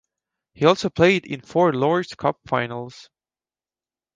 He also played in four Lord's Cup Finals.